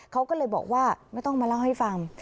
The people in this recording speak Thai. เขาก็เลยบอกว่าไม่ต้องมาเล่าให้ฟัง